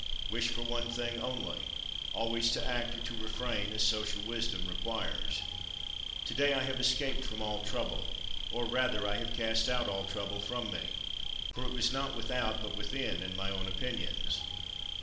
Wish for one thing only; always to act or to refrain as social wisdom requires. 13. To day I have escaped from all trouble; or rather I have cast out all trouble from me. For it was not without but within, in my own opinions.